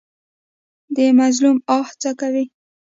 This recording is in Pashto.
د مظلوم آه څه کوي؟